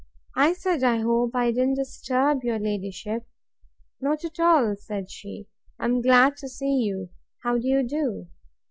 I said, I hope I don't disturb your ladyship. Not at all, said she; I am glad to see you. How do you do?